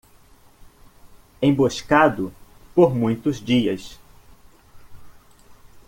Emboscado por muitos dias